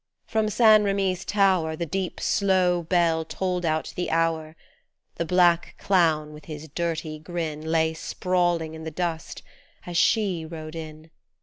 From St. Remy's tower The deep, slow bell tolled out the hour ; The black clown, with his dirty grin Lay, sprawling in the dust, as She rode in.